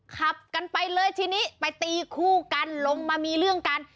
ขับกันไปเลยทีนี้ไปตีคู่กันลงมามีเรื่องกัน